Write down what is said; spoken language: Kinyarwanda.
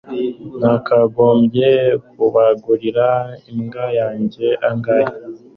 nakagombye kugaburira imbwa yanjye angahe